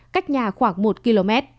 cách nhà khoảng một km